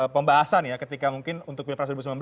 pembahasan ya ketika mungkin untuk pilpres dua ribu sembilan belas